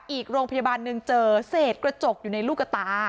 อีกโรงพยาบาลหนึ่งเจอเศษกระจกอยู่ในลูกกระตา